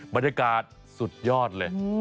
บรรยากาศสุดยอดเลย